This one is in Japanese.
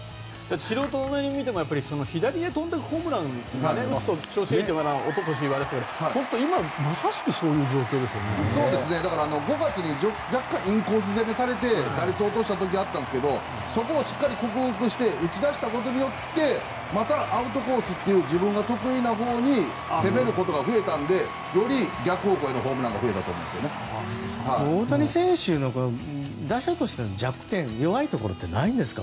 素人目に見ても左に飛んでいくホームランが打つと調子がいいって一昨年、言われていたけど５月に若干インコース攻めをされて、打率を落としたことがあったんですがそこを克服して打ち出したことによってまたアウトコースという自分が得意なほうに攻めることが増えたのでより逆方向へのホームランが大谷選手の打者としての弱点、弱いところってないんですか？